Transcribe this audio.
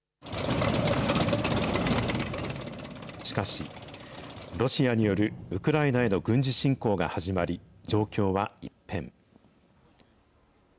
しかし、ロシアによるウクライナへの軍事侵攻が始まり、状況は一変。